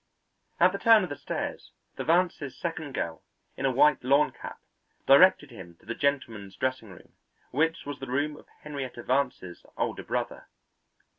At the turn of the stairs the Vances' second girl in a white lawn cap directed him to the gentlemen's dressing room, which was the room of Henrietta Vance's older brother.